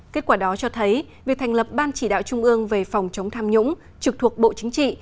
kết quả đó cho thấy việc thành lập ban chỉ đạo trung ương về phòng chống tham nhũng trực thuộc bộ chính trị